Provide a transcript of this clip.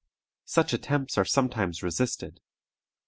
Such attempts are sometimes resisted.